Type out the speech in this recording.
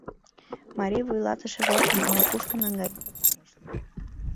Марий вуйлатыше-влакым ала-кушко наҥгаен пытарышт...